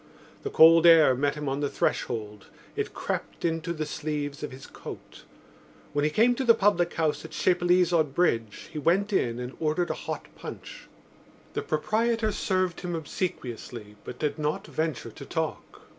The cold air met him on the threshold; it crept into the sleeves of his coat. When he came to the public house at Chapelizod Bridge he went in and ordered a hot punch. The proprietor served him obsequiously but did not venture to talk.